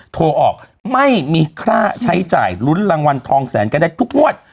โทรออกไม่มีค่าใช้จ่ายลุ้นรางวัลทองแสนกันได้ทุกงวด